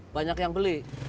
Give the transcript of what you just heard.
banyak yang beli